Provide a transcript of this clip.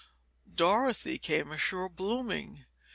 Dorothy came ashore blooming.